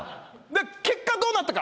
結果どうなったか。